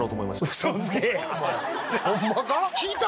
ホンマか？